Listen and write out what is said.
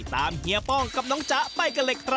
เฮียป้องกับน้องจ๊ะไปกันเลยครับ